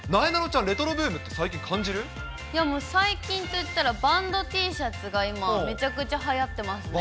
ちゃん、レトロブームって最近感いや、最近といったらバンドＴシャツが今、めちゃくちゃはやってますね。